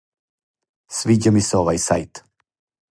Свиђа ми се овај сајт.